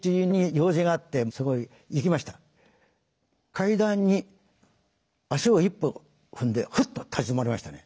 階段に足を一歩踏んでふっと立ち止まりましたね。